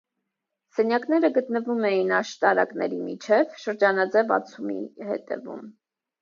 Սենյակները գտնվում էին աշտարակների միջև, շրջանաձև անցումի հետևում։